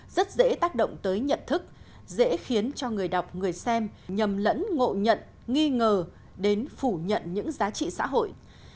rất dễ tác động tới nhận thức dễ khiến cho người đọc người xem nhầm lẫn ngộ nhận nghi ngờ đến phủ nhận những giá trị xã hội